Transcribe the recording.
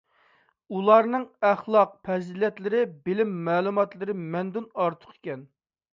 ئۇلارنىڭ ئەخلاق - پەزىلەتلىرى، بىلىم - مەلۇماتلىرى مەندىن ئارتۇق ئىكەن.